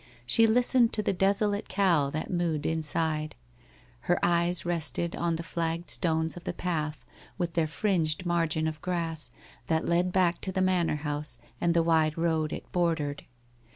She listened to the desolate cow that mo oed inside, her eyes rested on the flagged stones of the path, with their fringed margin of grass, that led back to the Manor House, and the wide road it bordered.